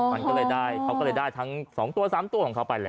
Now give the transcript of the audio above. มันก็เลยได้เขาก็เลยได้ทั้ง๒ตัว๓ตัวของเขาไปแหละ